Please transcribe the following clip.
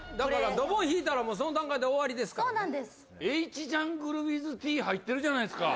ドボン引いたらその段階で終わりですからＨＪｕｎｇｌｅＷｉｔｈｔ入ってるじゃないですか